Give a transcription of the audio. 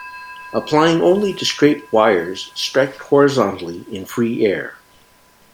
Applying only to straight wires stretched horizontally in free air.